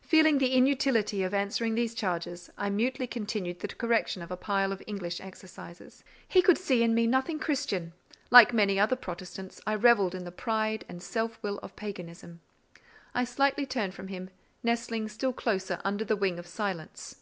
Feeling the inutility of answering these charges, I mutely continued the correction of a pile of English exercises. "He could see in me nothing Christian: like many other Protestants, I revelled in the pride and self will of paganism." I slightly turned from him, nestling still closer under the wing of silence.